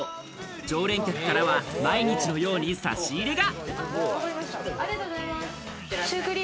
常連客からは、毎日のように差し入れが。